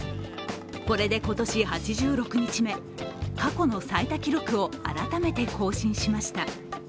これで今年８６日目、過去の最多記録を改めて更新しました。